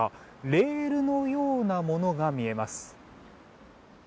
レールのようなものが見えます。